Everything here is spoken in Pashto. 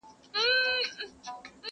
په نارو د بيزو وان خوا ته روان سو!.